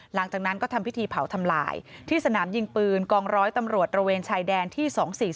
หลังจากนั้นก็ทำพิธีเผาทำลายที่สนามยิงปืนกองร้อยตำรวจระเวนชายแดนที่๒๔๔